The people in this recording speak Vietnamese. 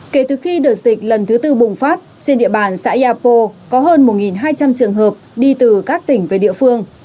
kể từ khi đợt dịch lần thứ tư bùng phát trên địa bàn xã yapo có hơn một hai trăm linh trường hợp đi từ các tỉnh về địa phương